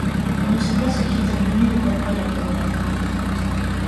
On ne sait pas ce qui est advenu de Pavle après la bataille.